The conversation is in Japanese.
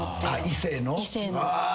異性の。